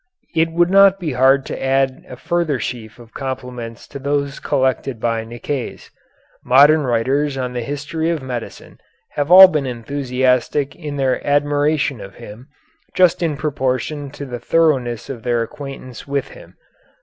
It would not be hard to add a further sheaf of compliments to those collected by Nicaise. Modern writers on the history of medicine have all been enthusiastic in their admiration of him, just in proportion to the thoroughness of their acquaintance with him.